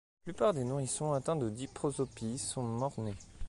La plupart des nourrissons atteints de diprosopie sont morts-nés.